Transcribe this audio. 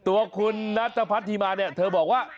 ตัวคุณนัทพัฒนธิมาเนี่ยเธอบอกว่า